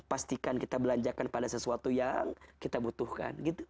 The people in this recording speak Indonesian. pastikan kita belanjakan pada sesuatu yang kita butuhkan